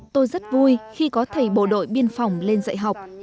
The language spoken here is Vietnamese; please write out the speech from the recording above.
tôi rất vui khi có thầy bộ đội biên phòng lên dạy học